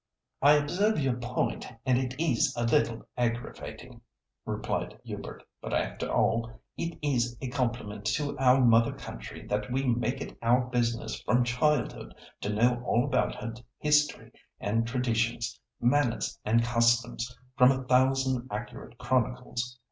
"I observe your point, and it is a little aggravating," replied Hubert. "But after all, it is a compliment to our mother country that we make it our business from childhood to know all about her history and traditions, manners and customs, from a thousand accurate chronicles.